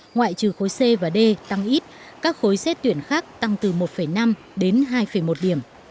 ngoại trừ khối c và d tăng ít các khối xét tuyển khác tăng từ một năm đến hai một điểm